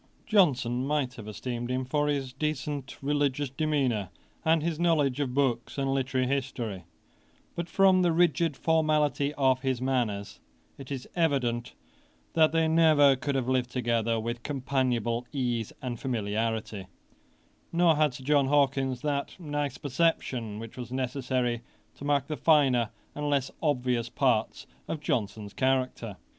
Johnson might have esteemed him for his decent, religious demeanour, and his knowledge of books and literary history; but from the rigid formality of his manners, it is evident that they never could have lived together with companionable ease and familiarity; nor had Sir John Hawkins that nice perception which was necessary to mark the finer and less obvious parts of Johnson's character.